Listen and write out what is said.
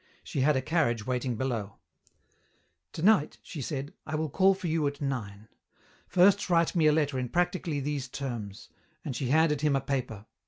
She had a carriage waiting below. "Tonight," she said, "I will call for you at nine. First write me a letter in practically these terms," and she handed him a paper.